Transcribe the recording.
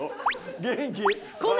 元気？